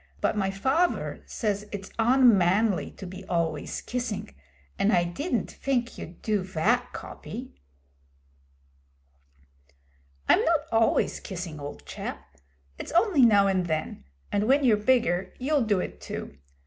'But my faver says it's un man ly to be always kissing, and I didn't fink you'd do vat, Coppy.' 'I'm not always kissing, old chap. It's only now and then, and when you're bigger you'll do it too.